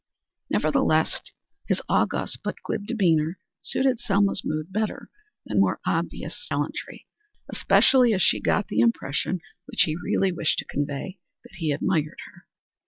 Nevertheless his august but glib demeanor suited Selma's mood better than more obvious gallantry, especially as she got the impression, which he really wished to convey, that he admired her.